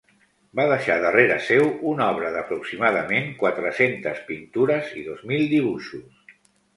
Va deixar darrere seu una obra d'aproximadament quatre-centes pintures i dos mil dibuixos.